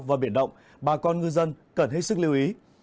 và biển động bà con ngư dân cần hết sức lưu ý